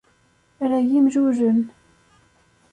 Ara-y-imlulen.